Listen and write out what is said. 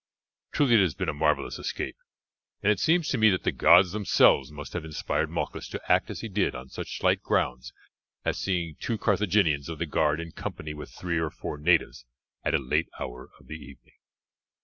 Truly it has been a marvellous escape, and it seems to me that the gods themselves must have inspired Malchus to act as he did on such slight grounds as seeing two Carthaginians of the guard in company with three or four natives at a late hour of the evening."